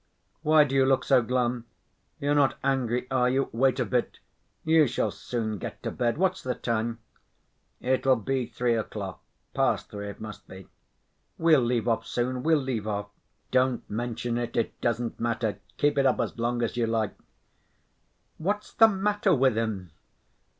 "Why do you look so glum? You're not angry, are you? Wait a bit, you shall soon get to bed.... What's the time?" "It'll be three o'clock. Past three, it must be." "We'll leave off soon. We'll leave off." "Don't mention it; it doesn't matter. Keep it up as long as you like...." "What's the matter with him?"